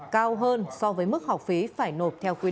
cao hơn so với mức học phí phải nộp theo quy định